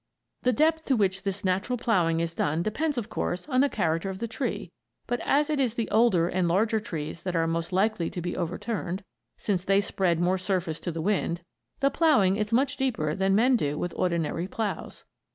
The depth to which this natural ploughing is done depends, of course, on the character of the tree, but as it is the older and larger trees that are most likely to be overturned, since they spread more surface to the wind, the ploughing is much deeper than men do with ordinary ploughs.